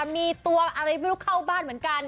มีตัวอะไรไม่รู้เข้าบ้านเหมือนกัน